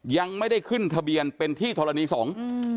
ยังไม่ได้ขึ้นทะเบียนเป็นที่ธรณีสงฆ์